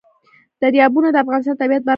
دریابونه د افغانستان د طبیعت برخه ده.